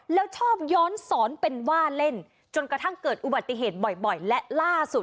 แล้วชอบย้อนสอนเป็นว่าเล่นจนกระทั่งเกิดอุบัติเหตุบ่อยและล่าสุด